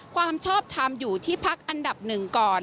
ความชอบทำอยู่ที่พักอันดับหนึ่งก่อน